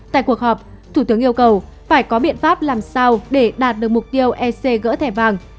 tại cuộc họp thủ tướng yêu cầu phải có biện pháp làm sao để đạt được mục tiêu ec gỡ thẻ vàng